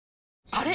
あれ？